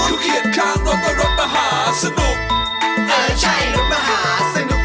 คือเขียนข้างรถมันไม่ใช่รถมหาสนุก